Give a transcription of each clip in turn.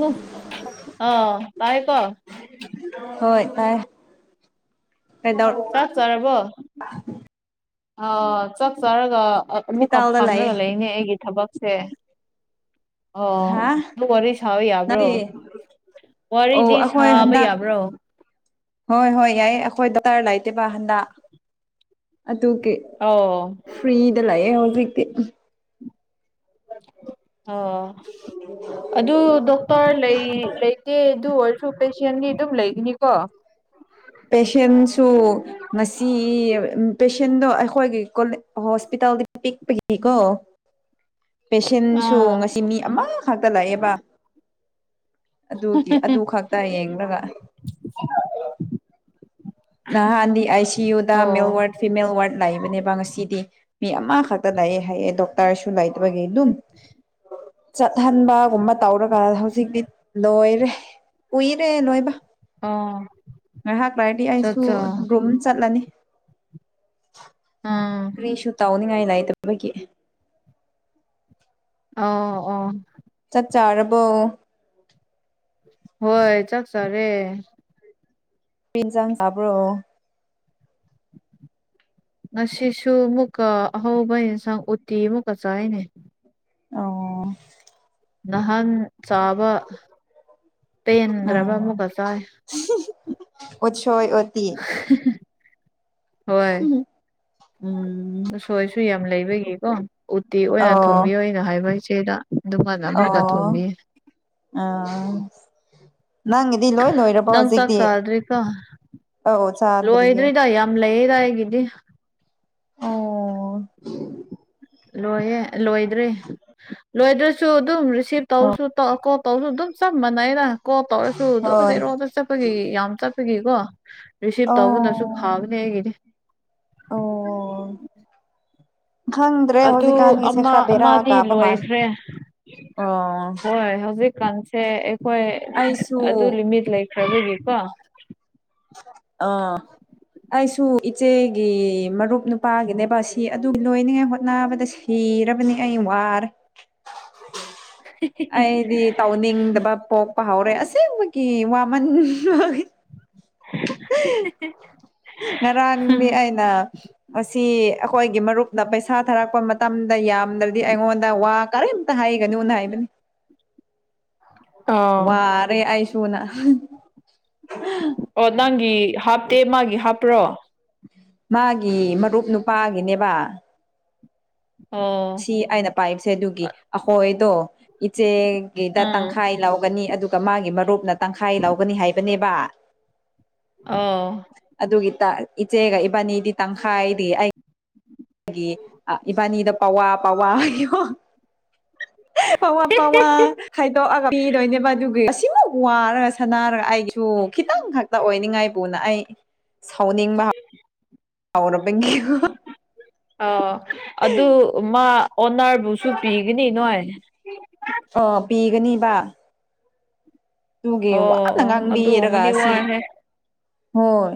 ꯎ ꯑꯥ ꯇꯥꯏ ꯀꯣ ꯍꯣꯏ ꯇꯥꯏ ꯀꯩꯗꯧꯔꯕ ꯆꯥꯛ ꯆꯥꯔꯕꯣ ꯑ ꯆꯥꯛ ꯆꯥꯔꯒ ꯑ ꯑꯃꯨꯛꯀ ꯍꯣꯁꯄꯤꯇꯥꯜꯗ ꯂꯩꯌꯦ ꯐꯝꯔꯒ ꯂꯩꯅꯦ ꯑꯩꯒꯤ ꯊꯕꯛꯁꯦ ꯑꯣ ꯍꯥ ꯑꯗꯨ ꯋꯥꯔꯤ ꯁꯥꯕ ꯌꯥꯕ꯭ꯔꯣ ꯅꯪꯗꯤ ꯑꯣ ꯋꯥꯔꯤꯗꯤ ꯑꯩꯈꯣꯏ ꯁꯥꯕ ꯍꯟꯗꯛ ꯌꯥꯕ꯭ꯔꯣ ꯍꯣꯏ ꯍꯣꯏ ꯌꯥꯏꯌꯦ ꯑꯩꯈꯣꯏ ꯗꯣꯔꯇꯔ ꯂꯩꯇꯦꯕ ꯍꯟꯗꯛ ꯑꯗꯨꯒꯤ ꯑꯣ ꯐ꯭ꯔꯤꯗ ꯂꯩꯌꯦ ꯍꯧꯖꯤꯛꯇꯤ ꯑꯣ ꯑꯗꯨ ꯗꯣꯛꯇꯔ ꯂꯩ ꯂꯩꯇꯦ ꯑꯗꯨ ꯑꯣꯏ ꯁꯨ ꯄꯦꯁꯤꯌꯦꯟꯗꯤ ꯑꯗꯨꯝ ꯂꯩꯒꯅꯤꯀꯣ ꯄꯦꯁꯦꯟꯁꯨ ꯉꯁꯤ ꯄꯦꯁꯦꯟꯗꯣ ꯑꯩꯈꯣꯏꯒꯤ ꯀꯣꯜ [unintelligible] ꯍꯣꯁꯄꯤꯇꯥꯜꯗꯤ ꯄꯤꯛꯄꯒꯤꯀꯣ [inaudible] ꯄꯦꯁꯦꯟꯁꯨ ꯑꯥ ꯉꯁꯤ ꯃꯤ ꯑꯃꯥꯈꯛꯇ ꯂꯥꯛꯑꯦꯕ ꯑꯗꯨꯒꯤ ꯑꯗꯨ ꯈꯛꯇ ꯌꯦꯡꯂꯒ ꯅꯍꯥꯟꯗꯤ ꯑꯥꯏ ꯁꯤ ꯌꯨꯗ ꯃꯦꯜ ꯑꯣ ꯋꯥꯔꯗ ꯐꯤꯃꯦꯜ ꯋꯥꯔꯗ ꯂꯩꯕꯅꯦꯕ ꯉꯁꯤꯗꯤ ꯃꯤ ꯑꯃꯥꯈꯛꯇ ꯂꯩꯌꯦ ꯍꯥꯏꯌꯦ ꯗꯣꯛꯇꯔꯁꯨ ꯂꯩꯇꯕꯒꯤ ꯗꯨꯝ ꯆꯠꯍꯟꯕꯒꯨꯝꯕ ꯇꯧꯔꯒ ꯍꯧꯖꯤꯛꯇꯤ ꯂꯣꯏꯔꯦ ꯀꯨꯏꯔꯦ ꯂꯣꯏꯕ ꯑꯣ ꯉꯥꯏꯍꯥꯛ ꯂꯩꯔꯗꯤ ꯑꯩꯁꯨ ꯆꯠꯆꯥ ꯔꯨꯝ ꯆꯠꯂꯅꯤ ꯑꯥ ꯀ꯭ꯔꯤꯁꯨ ꯇꯧꯅꯤꯡꯉꯥꯏ ꯂꯩꯇꯕꯒꯤ ꯑꯧ ꯑꯣ ꯆꯥꯛ ꯆꯥꯔꯕꯣ ꯍꯣꯏ ꯆꯥꯛ ꯆꯥꯔꯦ ꯀꯩ ꯏꯟꯖꯥꯡ ꯆꯥꯕ꯭ꯔꯣ ꯉꯁꯤꯁꯨ ꯑꯃꯨꯛꯀ ꯑꯍꯥꯎꯕ ꯌꯦꯟꯁꯥꯡ ꯎꯇꯤ ꯑꯃꯨꯛꯀ ꯆꯥꯏꯌꯦꯅꯦ ꯑꯣ ꯅꯍꯟ ꯆꯥꯕ ꯄꯦꯟꯗ꯭ꯔꯕ ꯑꯃꯨꯛꯀ ꯆꯥꯏ [unintelligible] ꯑꯣꯠꯁꯣꯢ ꯎꯇꯤ [unintelligible] ꯍꯣꯏ ꯎꯝ ꯎꯁꯣꯏꯁꯨ ꯌꯥꯝ ꯂꯩꯕꯒꯤꯀꯣ ꯎꯇꯤ ꯑꯣꯏꯅ ꯑꯣ ꯊꯣꯡꯕꯤꯌꯣ ꯑꯩꯅ ꯍꯥꯏꯕ ꯏꯆꯦꯗ ꯑꯗꯨꯃꯥꯏꯅ ꯑꯃꯨꯛꯀ ꯑꯣ ꯊꯣꯡꯕꯤꯌꯦ ꯑꯥ ꯅꯪꯒꯤ ꯗꯤ ꯂꯣꯏ ꯂꯣꯏꯔꯕꯣ ꯅꯪ ꯆꯥꯛ ꯍꯧꯖꯤꯛꯇꯤ ꯆꯥꯗ꯭ꯔꯤꯀꯣ ꯑꯧ ꯆꯥꯗ꯭ꯔꯤꯌꯦ ꯂꯣꯏꯗ꯭ꯔꯤꯗ ꯌꯥꯝ ꯂꯩꯌꯦꯗ ꯑꯩꯒꯤꯗꯤ ꯑꯣ ꯂꯣꯏꯌꯦ ꯂꯣꯏꯗ꯭ꯔꯤ ꯂꯣꯏꯗ꯭ꯔꯁꯨ ꯑꯗꯨꯝ ꯔꯤꯁꯤꯚ ꯑꯣ ꯇꯧꯁꯨ ꯇꯧ ꯀꯣꯛ ꯇꯧꯁꯨ ꯑꯗꯨꯝ ꯆꯞ ꯃꯥꯟꯅꯩꯗ ꯀꯣꯜ ꯇꯧꯔꯁꯨ ꯑꯗꯨꯝ ꯍꯣꯏ ꯖꯦꯔꯣꯗ ꯆꯠꯄꯒꯤ ꯌꯥꯝ ꯆꯠꯄꯒꯤꯀꯣ ꯔꯤꯁꯤꯞ ꯑꯣ ꯇꯧꯕꯅꯁꯨ ꯐꯕꯅꯦ ꯑꯩꯒꯤꯗꯤ ꯑꯣ ꯈꯪꯗ꯭ꯔꯦ ꯑꯗꯨ ꯍꯧꯖꯤꯛꯀꯥꯟꯒꯤꯁꯦ ꯑꯃ ꯈ꯭ꯔ ꯕꯦꯔꯥ ꯑꯃꯗꯤ ꯀꯥꯕ ꯃꯥꯂꯤ ꯂꯣꯏꯈ꯭ꯔꯦ ꯍꯣꯏ ꯍꯧꯖꯤꯛ ꯀꯥꯟꯁꯦ ꯑꯩꯈꯣꯏ ꯑꯩꯁꯨ ꯑꯗꯨ ꯂꯤꯃꯤꯠ ꯂꯩꯈ꯭ꯔꯕꯒꯤꯀꯣ ꯑ ꯑꯩꯁꯨ ꯏꯆꯦꯒꯤ ꯎꯝ ꯃꯔꯨꯞ ꯅꯨꯄꯥꯒꯤꯅꯦꯕ ꯒꯤ ꯑꯗꯨ ꯂꯣꯏꯅꯤꯡꯉꯥꯏ ꯍꯣꯠꯅꯕꯗ ꯁꯤꯔꯕꯅꯤ ꯑꯩ ꯋꯥꯔꯦ ꯑꯩꯗꯤ ꯇꯥꯎ ꯅꯤꯡꯗꯕ ꯄꯣꯛꯄ ꯍꯧꯔꯦ ꯑꯁꯦꯡꯕꯒꯤ ꯋꯥꯃꯟ [unintelligible] [unintelligible] ꯉꯔꯥꯡꯗꯤ ꯑꯩꯅ ꯑꯁꯤ ꯑꯩꯈꯣꯏꯒꯤ ꯃꯔꯨꯞꯅ ꯄꯩꯁꯥ ꯊꯥꯔꯛꯄ ꯃꯇꯝꯗ ꯌꯥꯝꯗ꯭ꯔꯗꯤ ꯑꯩꯉꯣꯟꯗ ꯋꯥ ꯀꯔꯤꯝ ꯇ ꯍꯥꯏꯒꯅꯨꯅ ꯍꯥꯏꯕꯅꯤ ꯑꯣ ꯋꯥ ꯔꯦ ꯑꯩꯁꯨꯨꯅ ꯑꯣ ꯅꯪꯒꯤ ꯍꯥꯞꯇꯦ ꯃꯥꯒꯤ ꯍꯥꯞꯄ꯭ꯔꯣ ꯃꯥꯒꯤ ꯃꯔꯨꯞ ꯅꯨꯄꯥꯒꯤꯅꯦꯕ ꯑꯣ ꯁꯤ ꯑꯩꯅ ꯄꯥꯏꯕꯁꯦ ꯑꯗꯨꯒꯤ ꯑꯩꯈꯣꯏꯗꯣ ꯏꯆꯦꯒꯤꯗ ꯑꯣ ꯇꯪꯈꯥꯏ ꯂꯧꯒꯅꯤ ꯑꯗꯨꯒꯤ ꯇꯣ ꯃꯥꯒꯤ ꯃꯔꯨꯞꯅ ꯇꯪꯈꯥꯏ ꯂꯧꯒꯅꯤ ꯍꯥꯏꯕꯅꯦꯕ ꯑꯧ ꯑꯗꯨꯒꯤ ꯇ ꯏꯆꯦꯒ ꯏꯕꯥꯅꯤꯗꯤ ꯇꯪꯈꯥꯏꯗꯤ ꯑꯩ ꯒꯤ ꯏꯕꯥꯅꯤꯗ ꯄꯋꯥ ꯄꯋꯥ ꯍꯥꯏꯌꯣ ꯄꯋꯥ ꯄꯋꯥ ꯈꯥꯏꯗꯣꯛꯑꯒ ꯄꯤꯗꯣꯏꯅꯦꯕ ꯑꯗꯨꯒꯤ ꯑꯁꯤꯃꯨꯛ ꯋꯥꯔꯒ ꯁꯟꯅꯥꯔꯒ ꯑꯩꯒꯤꯁꯨ ꯈꯤꯇꯪ ꯈꯛꯇ ꯑꯣꯏꯅꯤꯡꯉꯥꯏꯕꯨꯅ ꯑꯩ ꯁꯥꯎꯅꯤꯡꯕ [unintelligible] ꯑꯧꯔꯕꯒꯤ ꯑ ꯑꯗꯨ ꯃꯥ ꯑꯣꯅꯔꯕꯨꯁꯨ ꯄꯤꯒꯅꯤ ꯅꯣꯏ ꯑꯣ ꯄꯤꯒꯅꯤꯕ ꯇꯨꯒꯤ ꯑꯣ ꯋꯥꯅ ꯑꯣ ꯉꯥꯡꯕꯤꯔꯒ ꯑꯗꯨꯒꯨꯝꯕꯗꯤ ꯑꯁꯤ ꯋꯥꯏꯍꯦ ꯍꯣꯏ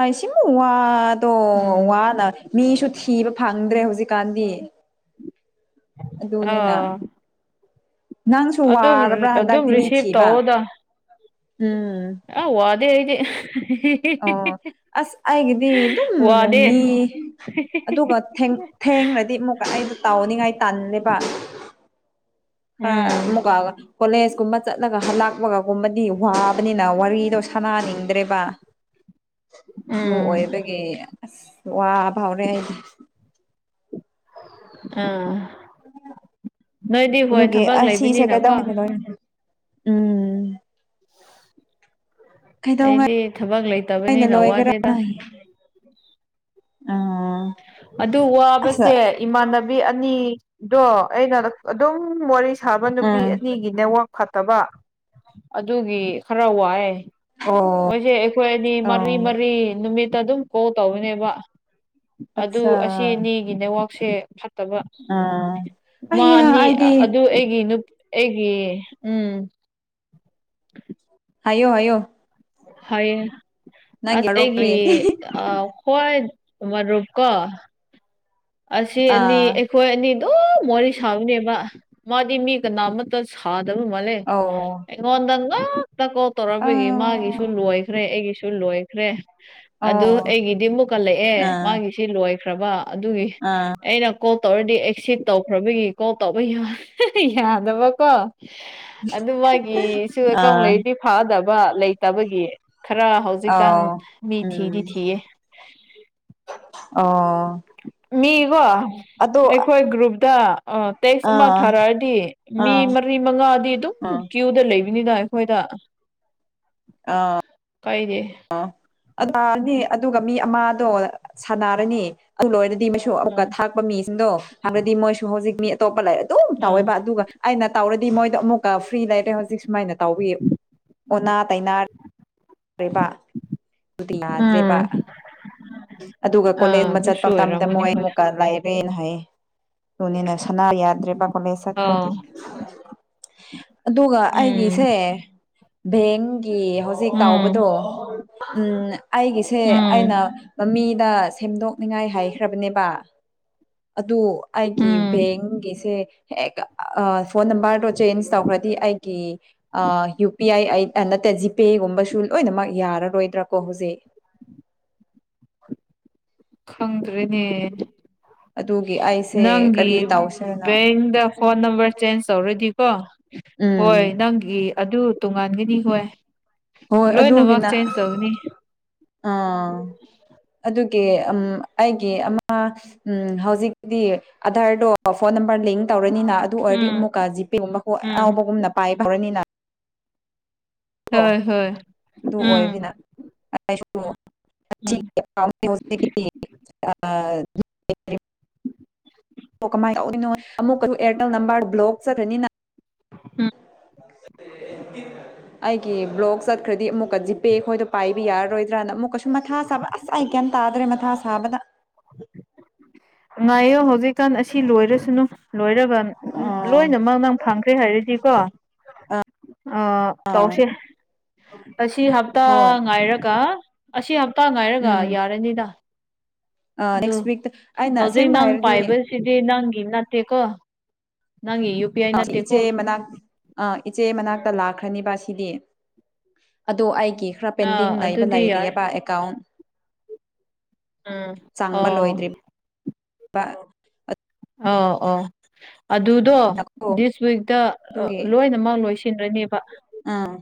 ꯑꯩꯁꯤꯃꯨꯛ ꯋꯥꯗꯣ ꯎꯝ ꯋꯥꯅ ꯃꯤꯁꯨ ꯊꯤꯕ ꯐꯪꯗ꯭ꯔꯦ ꯍꯧꯖꯤꯛꯀꯥꯟꯗꯤ ꯑꯗꯨꯅꯤꯅ ꯑꯥ ꯅꯪꯁꯨ ꯑꯗꯨꯝ ꯋꯥꯔꯕ꯭ꯔꯥ ꯑꯗꯨꯝ ꯍꯥꯟꯗꯛꯇꯤ ꯃꯤ ꯔꯤꯁꯤꯞ ꯊꯤꯕ ꯎꯝ ꯑꯥ ꯋꯥꯗꯦ ꯑꯩꯗꯤ ꯑꯣ ꯑꯁ ꯑꯩꯒꯤꯗꯤ ꯑꯗꯨꯝ ꯃ ꯋꯥꯗꯦ ꯃꯤ ꯑꯗꯨꯒ ꯊꯦꯡ ꯊꯦꯡꯂꯗꯤ ꯑꯃꯨꯛꯀ ꯑꯩꯗꯣ ꯇꯥꯎꯅꯤꯡꯉꯥꯏ ꯇꯜꯂꯦꯕ ꯈꯔ ꯎꯝ ꯑꯃꯨꯛꯀ ꯀꯣꯂꯦꯖ ꯀꯨꯝꯕ ꯆꯠꯂꯒ ꯍꯂꯥꯛꯄꯒꯒꯨꯝꯕꯗꯤ ꯋꯥꯕꯅꯤꯅ ꯋꯥꯔꯤꯗꯣ ꯁꯅꯥꯅꯤꯡꯗ꯭ꯔꯦꯕ ꯑꯗꯨ ꯎꯝ ꯑꯣꯏꯕꯩ ꯒꯤ ꯑꯁ ꯋꯥꯕ ꯍꯧꯔꯦ ꯑꯩꯗꯤ ꯑ ꯑꯗꯨꯒꯤ ꯑꯁꯤꯁꯦ ꯂꯩꯕꯅꯤꯅꯀꯣ ꯀꯩꯗꯧꯅꯤ [unintelligible] ꯎꯝ [inaudible] ꯀꯩꯗꯧꯉꯩ ꯑꯩꯗꯤ ꯊꯕꯛ ꯑꯩꯅ ꯂꯩꯇꯕꯅꯤꯅ ꯂꯣꯏꯒꯦꯔꯥ ꯋꯥꯗꯦꯗ ꯑ ꯑꯗꯨ ꯑꯁ ꯋꯥꯕꯁꯦ ꯏꯃꯥꯟꯅꯕꯤ ꯑꯅꯤꯗꯣ ꯑꯩꯒ ꯑꯗꯨꯝ ꯋꯥꯔꯤꯁ ꯁꯥꯕ ꯅꯨꯄꯤ ꯎꯝ ꯑꯅꯤꯒꯤ ꯅꯦꯠꯋꯥꯛ ꯐꯠꯇꯕ ꯑꯗꯨꯒꯤ ꯈꯔ ꯋꯥꯑꯦ ꯑꯣ ꯃꯣꯏꯁꯦ ꯑꯩꯈꯣꯏ ꯑꯅꯤ ꯑꯣ ꯃꯔꯤ ꯃꯔꯤ ꯅꯨꯃꯤꯠꯇ ꯑꯗꯨꯝ ꯀꯣꯜ ꯇꯧꯔꯤꯅꯦꯕ ꯑꯗꯨ ꯑꯆꯥ ꯑꯁꯤꯅꯤꯒꯤ ꯅꯦꯠꯋꯥꯛꯁꯦ ꯐꯠ ꯇꯕ ꯑ ꯃꯥ ꯑꯩꯌꯥ ꯑꯅꯤ ꯑꯩꯗꯤ ꯑꯗꯨ ꯑꯩꯒꯤ ꯅꯨ ꯑꯩꯒꯤ ꯎꯝ [inaudible] ꯍꯥꯏꯌꯣ ꯍꯥꯏꯌꯣ ꯍꯌꯦꯡ ꯅꯪꯒꯤ ꯑꯁ ꯑꯩꯒꯤ ꯃꯔꯨꯞꯀꯔꯤ ꯑ ꯍꯣꯏ ꯃꯔꯨꯞꯀꯣ ꯑꯁꯤ ꯑꯅꯤ ꯑꯥ ꯑꯩꯈꯣꯏ ꯑꯅꯤ ꯑꯗꯨꯝ ꯋꯥꯔꯤ ꯁꯥꯕꯅꯦꯕ ꯃꯥꯗꯤ ꯃꯤ ꯀꯅꯥ ꯑꯃ ꯁꯥꯗꯕ ꯃꯥꯂꯦ ꯑꯧ ꯑꯩꯉꯣꯟꯗ ꯂꯣꯏ ꯇ ꯀꯣꯜ ꯇꯧꯔꯛꯑꯝꯕꯒꯤ ꯑꯥ ꯃꯥꯒꯤꯁꯨ ꯂꯣꯏꯈ꯭ꯔꯦ ꯑꯩꯒꯤꯁꯨ ꯂꯣꯏꯈ꯭ꯔꯦ ꯑꯣ ꯑꯗꯨ ꯑꯩꯒꯤꯗꯤ ꯃꯨꯛ ꯀꯜꯂꯛꯑꯦ ꯑꯥ ꯃꯥꯒꯤꯁꯤ ꯂꯣꯏꯈ꯭ꯔꯕ ꯑꯗꯨꯒꯤ ꯑꯥ ꯑꯩꯅ ꯀꯣꯜ ꯇꯧꯔꯗꯤ ꯑꯦꯛꯁꯤꯞ ꯇꯧꯈ꯭ꯔꯕꯒꯤ ꯀꯣꯜ ꯇꯧꯕ ꯌꯥꯗꯕꯀꯣ ꯑꯗꯨ ꯃꯥꯒꯤꯁꯨ ꯑꯦꯀꯥꯎꯟ ꯑꯥ ꯂꯩꯔꯤꯗꯤ ꯐꯥꯗꯕ ꯂꯩꯇꯕꯒꯤ ꯈꯔ ꯑꯧ ꯍꯧꯖꯤꯛꯀꯥꯟ ꯃꯤ ꯎꯝ ꯊꯤꯗꯤ ꯊꯤꯌꯦ ꯑꯣ ꯃꯤꯀꯣ ꯑꯗꯣ ꯑꯥ ꯑꯩꯈꯣꯏ ꯒ꯭ꯔꯨꯞꯇ ꯇꯦꯛꯁ ꯑꯃ ꯑꯥ ꯊꯥꯔꯛꯑꯗꯤ ꯃꯤ ꯃꯔꯤ ꯃꯉꯥꯗꯤ ꯑꯗꯨꯝ ꯑꯥ ꯀ꯭ꯌꯨꯗ ꯂꯩꯕꯅꯤꯗ ꯑꯩꯈꯣꯏꯗ ꯑꯥ ꯀꯥꯏꯗꯦ ꯑꯣ ꯑꯗꯨ ꯑꯗꯨꯒ ꯃꯤ ꯑꯃꯗꯣ ꯁꯥꯟꯅꯔꯅꯤ ꯑꯗꯨ ꯂꯣꯏꯔꯗꯤ ꯑꯃꯨꯛꯀ ꯎꯝ ꯊꯥꯛꯄ ꯃꯤꯁꯤꯡꯗꯣ ꯍꯥꯏꯕꯗꯤ ꯃꯣꯏꯁꯨ ꯍꯧꯖꯤꯛ ꯃꯤ ꯑꯇꯣꯞꯄ ꯂꯥꯏꯔꯤ ꯑꯗꯨꯝ ꯎꯝ ꯇꯧꯋꯦꯕ ꯑꯗꯨꯒ ꯑꯩꯅ ꯇꯧꯔꯗꯤ ꯃꯣꯏꯗꯣ ꯑꯃꯨꯛꯀ ꯐ꯭ꯔꯤ ꯂꯩꯔꯦ ꯍꯧꯖꯤꯛ ꯁꯨꯃꯥꯏꯅ ꯇꯧꯕꯤ ꯑꯣꯅꯥ ꯇꯩꯅꯥ ꯔꯦꯕ ꯑꯗꯨꯗꯤ ꯌꯥꯗ꯭ꯔꯦꯕ ꯎꯝ ꯑꯗꯨꯒ ꯀꯣꯂꯦꯟ ꯑꯥ ꯑꯃ ꯆꯠꯄ ꯑꯗꯨꯁꯨ ꯃꯇꯝꯗ ꯑꯣꯏꯔꯝꯒꯅꯤ ꯃꯣꯏ ꯍꯣꯏ ꯑꯃꯨꯛꯀ ꯂꯥꯏ ꯔꯦꯅ ꯍꯥꯏꯌꯦ ꯗꯨꯅꯤꯅ ꯁꯅꯥ ꯌꯥꯗ꯭ꯔꯦꯕ ꯀꯣꯂꯦꯖ ꯑꯥ ꯆꯠꯈ꯭ꯔꯗꯤ ꯑꯗꯨꯒ ꯎꯝ ꯑꯩꯒꯤꯁꯦ ꯚꯦꯡꯒꯤ ꯍꯧꯖꯤꯛ ꯎꯝ ꯇꯥꯎꯕꯗꯣ ꯎꯝ ꯑꯩꯒꯤꯁꯦ ꯑꯩꯅ ꯎꯝ ꯃꯃꯤꯗ ꯁꯦꯝꯗꯣꯛꯅꯤꯉꯥꯏ ꯍꯥꯏꯈ꯭ꯔꯕꯅꯦꯕ ꯑꯗꯨ ꯑꯩꯒꯤ ꯎꯝ ꯕꯦꯡꯒꯤꯁꯦ ꯑꯥ ꯐꯣꯟ ꯅꯝꯕꯔꯗꯣ ꯆꯦꯟꯖ ꯇꯧꯈ꯭ꯔꯗꯤ ꯑꯩꯒꯤ ꯑꯥ ꯌꯨ ꯄꯤ ꯑꯥꯏ ꯅꯠꯇꯦ ꯖꯤꯄꯦꯒꯨꯝꯕꯁꯨ ꯂꯣꯏꯅꯃꯛ ꯌꯥꯔꯔꯣꯏꯗ꯭ꯔꯥ ꯀꯣ ꯍꯧꯖꯤꯛ ꯈꯪꯗ꯭ꯔꯦꯅꯦ ꯑꯗꯨꯒꯤ ꯑꯩꯁꯦ ꯅꯪꯒꯤ ꯀꯔꯤ ꯇꯧꯁꯤꯔꯅ ꯕꯦꯡꯗ ꯐꯣꯟ ꯅꯝꯕꯔ ꯆꯦꯟꯖ ꯇꯧꯔꯗꯤꯀꯣ ꯎꯝ ꯍꯣꯏ ꯅꯪꯒꯤ ꯑꯗꯨ ꯇꯣꯉꯥꯟꯒꯅꯤ ꯍꯣꯏ ꯍꯣꯏ ꯂꯣꯏꯅꯃꯛ ꯑꯗꯨꯒꯤꯅ ꯆꯦꯟꯖ ꯇꯧꯒꯅꯤ ꯑꯥ ꯑꯗꯨꯒꯤ ꯑꯩꯒꯤ ꯑꯃ ꯎꯝ ꯍꯧꯖꯤꯛꯇꯤ ꯑꯙꯥꯔꯗꯣ ꯐꯣꯟ ꯅꯝꯕꯔ ꯂꯤꯡ ꯇꯧꯔꯅꯤꯅ ꯑꯗꯨ ꯑꯣꯏꯔꯗꯤ ꯎꯝ ꯑꯃꯨꯛꯀ ꯖꯤꯄꯦꯒꯨꯝꯕ ꯀꯣ ꯎꯝ ꯑꯅꯥꯥꯎꯕꯒꯨꯝꯅ ꯄꯥꯏꯕ ꯍꯥꯎꯔꯅꯤꯅ ꯍꯣꯏ ꯍꯣꯏ ꯑꯗꯨ ꯎꯝ ꯑꯣꯏꯕꯅꯤꯅ ꯎꯝ [unintelligible] ꯀꯃꯥꯏ ꯇꯧꯏꯅꯣ ꯑꯃꯨꯛ ꯀ ꯑꯦꯔꯜꯇꯦꯜ ꯅꯝꯕꯔ ꯕ꯭ꯂꯣꯛ ꯆꯠꯂꯅꯤꯅ ꯎꯝ [unintelligible] ꯑꯩꯒꯤ ꯕ꯭ꯂꯣꯛ ꯆꯠꯈ꯭ꯔꯗꯤ ꯑꯃꯨꯛꯀ ꯖꯤꯄꯦ ꯈꯣꯏꯗꯣ ꯄꯥꯏꯕ ꯌꯥꯔꯔꯣꯏꯗ꯭ꯔꯥꯅ ꯑꯃꯨꯛꯀ ꯃꯊꯥ ꯁꯥꯕ ꯑꯁ ꯑꯩ ꯒ꯭ꯌꯥꯟ ꯇꯥꯗ꯭ꯔꯦ ꯃꯊꯥ ꯁꯥꯕꯗ ꯉꯥꯏꯌꯣ ꯍꯧꯖꯤꯛ ꯀꯟ ꯑꯁꯤ ꯂꯣꯏꯔꯁꯅꯨ ꯂꯣꯏꯔꯒ ꯑꯣ ꯂꯣꯏꯅꯃꯛ ꯅꯪ ꯐꯪꯈ꯭ꯔꯦ ꯍꯥꯏꯔꯗꯤꯀꯣ ꯑ ꯑꯥ ꯇꯧꯁꯦ ꯑꯁꯤ ꯍꯞꯇꯥ ꯍꯣꯏ ꯉꯥꯏꯔꯒ ꯑꯁꯤ ꯍꯞꯇꯥ ꯉꯥꯏꯔꯒ ꯎꯝ ꯌꯥꯔꯅꯤꯗ ꯑꯥ ꯑꯗꯨ ꯅꯦꯛꯁ ꯋꯤꯛꯇ ꯑꯩꯅ ꯍꯧꯖꯤꯛ ꯑꯁꯦꯡꯕ ꯅꯪ ꯍꯥꯏꯔꯗꯤ ꯄꯥꯏꯕꯁꯤ ꯅꯪꯒꯤ ꯅꯠꯇꯦꯀꯣ ꯅꯪꯒꯤ ꯌꯨ ꯄꯤ ꯑꯥꯏ ꯑ ꯅꯠꯇꯦꯀꯣ ꯏꯆꯦ ꯃꯅꯥꯛ ꯑ ꯏꯆꯦ ꯃꯅꯥꯛꯇ ꯂꯥꯛꯈ꯭ꯔꯅꯤꯕ ꯁꯤ ꯁꯤꯗꯤ ꯑꯗꯣ ꯑꯩꯒꯤ ꯈꯔ ꯄꯦꯟꯗꯤꯡ ꯑꯥ ꯂꯩꯕ ꯑꯗꯨꯗꯤ ꯌꯥꯏ ꯂꯩꯔꯤꯌꯦꯕ ꯑꯦꯀꯥꯎꯟ ꯎꯝ ꯆꯪꯕ ꯑꯣ ꯂꯣꯏꯗ꯭ꯔꯤꯕ ꯑꯧ ꯑꯧ ꯑꯗꯨꯗꯣ ꯑꯗꯨꯅꯀꯣ ꯗꯤꯁ ꯋꯤꯛꯇ ꯑꯗꯨꯒꯤ ꯂꯣꯏꯅꯃꯛ ꯂꯣꯏꯁꯤꯟꯔꯅꯦꯕ ꯑꯥ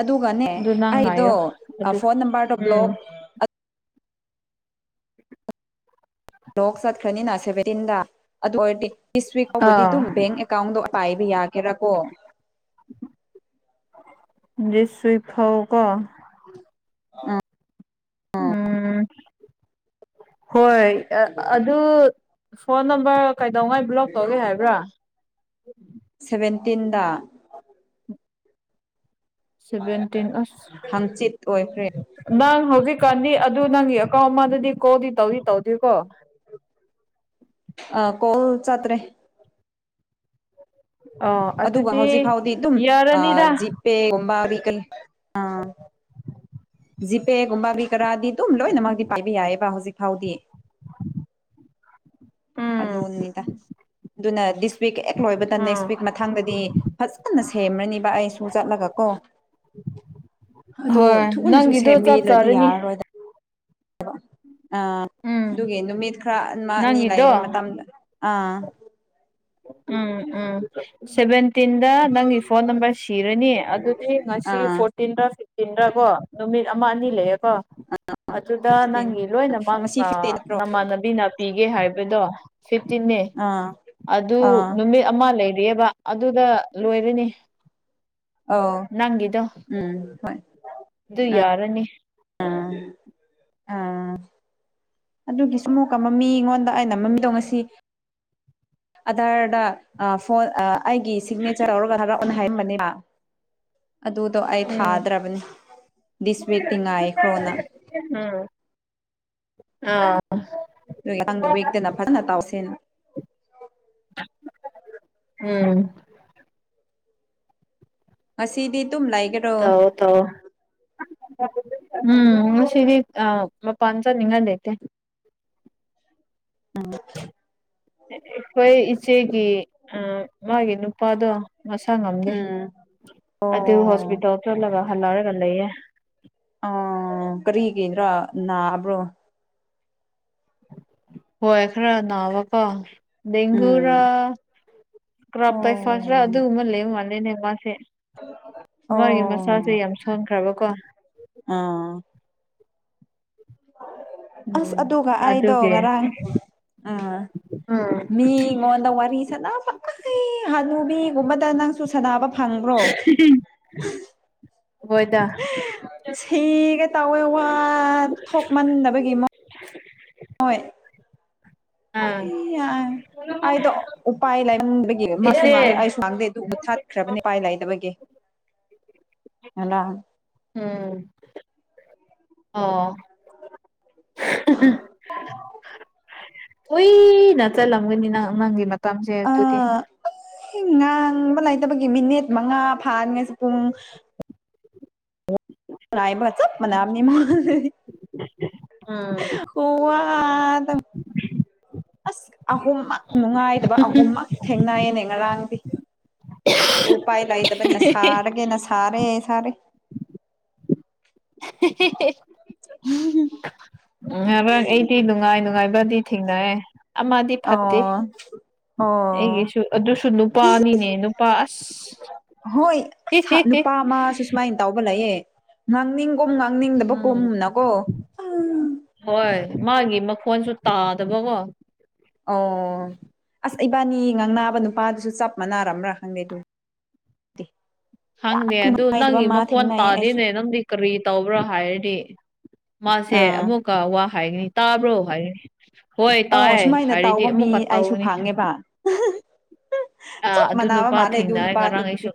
ꯑꯗꯨꯒꯅꯦ ꯑꯗꯨ ꯅꯪ ꯑꯩꯗꯣ ꯉꯥꯏꯌꯣ ꯑꯥ ꯑꯗꯨ ꯐꯣꯟ ꯅꯝꯕꯔꯗꯣ ꯎꯝ ꯕ꯭ꯂꯣꯛ ꯂꯣꯛ ꯆꯠꯈ꯭ꯔꯅꯤꯅ ꯁꯦꯚꯦꯟꯇꯤꯟꯗ ꯑꯗꯨ ꯑꯣꯏꯔꯗꯤ ꯗꯤꯁ ꯋꯤꯛ ꯐꯥꯎꯕꯗꯤ ꯑꯥ ꯑꯗꯨꯝ ꯕꯦꯡ ꯀꯥꯎꯟꯗꯣ ꯄꯥꯏꯕ ꯌꯥꯒꯦꯔꯥꯀꯣ ꯗꯤꯁ ꯋꯤꯛ ꯐꯥꯎꯀꯣ ꯑꯥ ꯎꯝ ꯍꯣꯏ ꯑꯗꯨ ꯐꯣꯟ ꯅꯝꯕꯔ ꯀꯩꯗꯧꯉꯩ ꯕ꯭ꯂꯣꯛ ꯇꯧꯒꯦ ꯍꯥꯏꯕ꯭ꯔꯥ ꯁꯦꯚꯦꯟꯇꯤꯟꯗ ꯁꯚꯦꯟꯇꯤꯟ ꯑꯁ ꯍꯪꯆꯤꯠ ꯑꯣꯏꯈ꯭ꯔꯦ ꯅꯪ ꯍꯧꯖꯤꯛꯀꯥꯟꯗꯤ ꯑꯗꯨ ꯅꯪꯒꯤ ꯑꯦꯀꯥꯎꯟ ꯑꯃꯗꯗꯤ ꯀꯣꯜꯗꯤ ꯇꯧꯗꯤ ꯇꯧꯗꯦꯀꯣ ꯑꯥ ꯀꯣꯜ ꯆꯠꯇ꯭ꯔꯦ ꯑꯣ ꯑꯗꯨꯒ ꯍꯧꯖꯤꯛ ꯑꯗꯨꯗꯤ ꯐꯥꯎꯗꯤ ꯑꯗꯨꯝ ꯑꯥ ꯌꯥꯔꯅꯤꯗ ꯖꯤꯄꯦ ꯒꯨꯝꯕ ꯀꯔꯤ ꯀꯤ ꯑꯥ ꯖꯤꯄꯦꯒꯨꯝꯕ ꯀꯔꯤꯀꯔꯥꯗꯤ ꯑꯗꯨꯝ ꯂꯣꯏꯅꯃꯛꯇꯤ ꯄꯥꯏꯕ ꯌꯥꯏꯌꯦꯕ ꯍꯧꯖꯤꯛ ꯐꯥꯎꯗꯤ ꯎꯝ ꯑꯗꯨꯅꯤꯗ ꯑꯗꯨꯅ ꯗꯤꯁ ꯋꯤꯛ ꯍꯦꯛ ꯂꯣꯏꯕꯗ ꯎꯝ ꯅꯦꯛꯁ ꯋꯤꯛ ꯃꯊꯥꯡꯗꯗꯤ ꯐꯖꯅ ꯁꯦꯝꯔꯅꯤꯕ ꯑꯩꯁꯨ ꯆꯠꯂꯒ ꯀꯣ ꯑꯗꯨ ꯍꯣꯏ ꯊꯨꯅꯁꯨ ꯅꯪꯒꯤꯗꯣ ꯆꯠ ꯁꯦꯝꯕꯤꯗ꯭ꯔꯗꯤ ꯆꯥꯔꯅꯤ ꯌꯥꯔꯔꯣꯏꯗ ꯑꯥ ꯎꯝ ꯑꯗꯨꯒꯤ ꯅꯨꯃꯤꯠ ꯈꯔ ꯑꯃ ꯑꯅꯤ ꯅꯪꯒꯤꯗꯣ ꯂꯩꯕ ꯃꯇꯝꯗ ꯑꯥ ꯎꯝ ꯎꯝ ꯁꯚꯦꯟꯇꯤꯟꯗ ꯅꯪꯒꯤ ꯐꯣꯟ ꯅꯝꯕꯔ ꯁꯤꯔꯅꯤ ꯑꯗꯨꯗꯤ ꯉꯁꯤ ꯐꯣꯔ ꯑꯥ ꯐꯤꯐꯇꯤꯟꯔ ꯁꯤꯛꯁꯇꯤꯟꯗ ꯀꯣ ꯅꯨꯃꯤꯠ ꯑꯃ ꯑꯅꯤ ꯂꯩꯌꯦꯀꯣ ꯑꯗꯨꯗ ꯐꯤꯐꯇꯤꯟ ꯅꯪꯒꯤ ꯂꯣꯏꯅꯃꯛ ꯉꯁꯤ ꯑꯥ ꯐꯤꯐꯇꯤꯟ ꯅꯠꯇ꯭ꯔꯣ ꯅꯃꯥꯅꯕꯤ ꯅꯥ ꯄꯤꯒꯦ ꯍꯥꯏꯕꯗꯣ ꯐꯤꯐꯇꯤꯟꯅꯦ ꯑꯥ ꯑꯗꯨ ꯑꯥ ꯅꯨꯃꯤꯠ ꯑꯃ ꯂꯩꯔꯤꯌꯦꯕ ꯑꯗꯨꯗ ꯂꯣꯏꯔꯅꯤ ꯑꯧ ꯅꯪꯒꯤꯗꯣ ꯎꯝ ꯍꯣꯏ ꯑꯗꯨ ꯌꯥꯔꯅꯤ ꯎꯝ ꯎꯝ ꯑꯗꯨꯒꯤꯁꯨ ꯑꯃꯨꯛꯀ ꯃꯃꯤ ꯉꯣꯟꯗ ꯑꯩꯅ ꯃꯃꯤꯗꯣ ꯉꯁꯤ ꯑꯙꯥꯔꯗ ꯐꯣꯟ ꯑꯩꯒꯤ ꯁꯤꯛꯅꯦꯆꯔ ꯂꯧꯔꯒ ꯊꯥꯔꯛ ꯑꯣ ꯍꯥꯏꯕꯅꯦꯕ ꯑꯗꯨꯗꯣ ꯑꯩ ꯎꯝ ꯊꯥꯗ꯭ꯔꯕꯅꯤ ꯗꯤꯁ ꯋꯤꯛꯇꯤ ꯉꯥꯏꯈ꯭ꯔꯣꯅ ꯎꯝ ꯑꯥ ꯅꯍꯥꯟꯒꯤ ꯋꯤꯛꯇꯅ ꯐꯖꯅ ꯇꯧꯁꯦꯅ ꯎꯝ ꯉꯁꯤꯗꯤ ꯗꯨꯝ ꯂꯩꯒꯦ ꯇꯧꯋꯣ ꯇꯧꯋꯣ ꯎꯝ ꯉꯁꯤꯗꯤ ꯑꯥ ꯃꯄꯥꯟ ꯆꯠꯅꯤꯡꯉꯥꯏ ꯂꯩꯇꯦ ꯎꯝ ꯏꯈꯣꯏ ꯏꯆꯦꯒꯤ ꯑꯥ ꯃꯥꯒꯤ ꯅꯨꯞ ꯅꯨꯄꯥꯗꯣ ꯃꯁꯥ ꯉꯝꯗꯦ ꯎꯝ ꯑꯗꯨ ꯑꯣ ꯍꯣꯁꯄꯤꯇꯥꯜ ꯆꯠꯂꯒ ꯍꯜꯂꯛꯔꯒ ꯂꯩꯌꯦ ꯑꯥ ꯀꯔꯤꯒꯤꯔ ꯅꯕ꯭ꯔꯣ ꯍꯣꯏ ꯈꯔ ꯅꯕ ꯀꯣ ꯎꯝ ꯗꯦꯡꯒꯨꯔꯥ ꯀ꯭ꯔꯥꯞ ꯇꯏꯐꯁꯔꯥ ꯑꯣ ꯑꯗꯨꯒꯨꯝꯕ ꯂꯩꯕ ꯃꯂꯦꯅꯦ ꯃꯁꯦ ꯑꯣ ꯃꯥꯒꯤ ꯃꯁꯥꯁꯦ ꯌꯥꯝ ꯁꯣꯟꯈ꯭ꯔꯕꯀꯣ ꯑꯥ ꯑꯁ ꯎꯝ ꯑꯗꯨꯒ ꯑꯩꯗꯣ ꯑꯗꯨꯒꯤ ꯉꯔꯥꯡ ꯑꯝ ꯎꯝ ꯃꯤ ꯉꯣꯟꯗ ꯋꯥꯔꯤ ꯁꯥꯅꯕ ꯑꯍꯤ ꯍꯅꯨꯕꯤꯒꯨꯝꯕꯗ ꯅꯪꯁꯨ ꯁꯥꯟꯅꯕ ꯐꯪꯕ꯭ꯔꯣ ꯍꯣꯏꯗ ꯁꯤꯒꯦ ꯇꯧꯋꯦ ꯋꯥ ꯊꯣꯛꯃꯟꯗꯕꯒꯤ ꯃ ꯃꯣꯏ ꯑꯥ ꯑꯩꯌꯥ ꯑꯩꯗꯣ ꯎꯄꯥꯏ ꯂꯥꯏꯃꯟꯕꯒꯤ ꯃꯥꯁꯨ ꯏꯆꯦ ꯉꯥꯡꯗꯦ ꯑꯩꯁꯨ ꯉꯥꯡꯗꯦ ꯑꯗꯨ ꯃꯨꯊꯠ ꯈ꯭ꯔꯕꯅꯤ ꯎꯄꯥꯏ ꯂꯩꯗꯕꯒꯤ ꯉꯔꯥꯡ ꯎꯝ ꯑꯣ [unintelligible] ꯀꯨꯏꯅ ꯆꯠꯂꯝꯒꯅꯤ ꯅꯪ ꯑꯉꯥꯡꯒꯤ ꯃꯇꯝꯁꯦ ꯗꯨꯗꯤ ꯑꯥ ꯉꯥꯡꯕ ꯂꯩꯇꯕꯒꯤ ꯃꯤꯅꯤꯠ ꯃꯉꯥ ꯐꯥꯅꯤꯡꯉꯥꯁꯨ ꯄꯨꯡ ꯉꯥꯏꯕꯒ ꯆꯞ ꯃꯅꯥꯝꯅꯤ ꯃꯣꯏ ꯎꯝ ꯈꯨꯋꯥꯗ ꯑꯁ ꯑꯍꯨꯝꯃꯛ ꯅꯨꯡꯉꯥꯏꯗꯕ ꯑꯍꯨꯝꯃꯛ ꯊꯦꯡꯅꯩꯌꯦꯅꯦ ꯉꯔꯥꯡꯗꯤ ꯎ ꯄꯥꯏ ꯂꯥꯏ ꯇꯕꯅꯤ ꯁꯥꯔꯒꯦꯅ ꯁꯥꯔꯦ ꯁꯥꯔꯦ ꯍꯦꯍꯤ [unintelligible] ꯎꯝ ꯉꯔꯥꯡ ꯑꯩꯗꯤ ꯅꯨꯡꯉꯥꯏ ꯅꯨꯡꯉꯥꯏꯕꯗꯤ ꯊꯦꯡꯅꯑꯦ ꯑꯃꯗꯤ ꯐꯠꯇꯦ ꯑꯣ ꯑꯣ ꯑꯩꯒꯤꯁꯨ ꯑꯗꯨꯁꯨ ꯅꯨꯄꯥ ꯑꯅꯤꯅꯦ ꯅꯨꯄꯥ ꯑꯁ ꯍꯣꯏ ꯑꯁ ꯅꯨꯄꯥ ꯃꯥꯁꯨ ꯁꯨꯃꯥꯏꯅ ꯇꯧꯕ ꯂꯩꯌꯦ ꯉꯥꯡꯅꯤꯡꯒꯨꯝ ꯉꯥꯡꯅꯤꯡꯗꯕ ꯎꯝ ꯀꯨꯝꯅꯀꯣ ꯍꯣꯏ ꯃꯥꯒꯤ ꯃꯈꯣꯟꯁꯨ ꯇꯥꯗꯕꯀꯣ ꯑꯧ ꯑꯁ ꯏꯕꯥꯅꯤ ꯉꯥꯡꯅꯕ ꯅꯨꯄꯥꯗꯨꯁꯨ ꯆꯞ ꯃꯥꯟꯅꯔꯕ꯭ꯔꯥ ꯈꯪꯗꯦ ꯑꯗꯨꯝ ꯇꯦ ꯍꯥꯡꯉꯦꯅꯦ ꯑꯗꯨ ꯅꯪꯒꯤ ꯃꯈꯣꯟ ꯑꯩꯁꯨ ꯇꯥꯗꯦꯅꯦ ꯅꯪꯗꯤ ꯀꯔꯤ ꯇꯧꯕ꯭ꯔꯥ ꯍꯥꯏꯔꯗꯤ ꯃꯥꯁꯦ ꯑꯥ ꯑꯃꯨꯛꯀ ꯋꯥ ꯍꯥꯏꯒꯅꯤ ꯇꯥꯕ꯭ꯔꯣ ꯍꯥꯏꯔꯅꯤ ꯍꯣꯏ ꯑꯧ ꯇꯥꯏꯌꯦ ꯁꯨꯃꯥꯏꯅ ꯍꯥꯏꯔꯗꯤ ꯇꯧꯕ ꯃꯤ ꯑꯃꯨꯛꯀ ꯑꯩꯁꯨ ꯇꯧꯔꯅꯤ ꯐꯪꯉꯦꯕ ꯑꯥ ꯆꯞ ꯑꯗꯨ ꯃꯥꯟꯅꯕ ꯅꯨꯄꯥ ꯃꯥꯜꯂꯦ ꯑꯗꯨ ꯊꯦꯡꯅꯔꯦ ꯉꯔꯥꯡ ꯅꯨꯄꯥꯗꯨꯗꯤ ꯑꯩꯁꯨ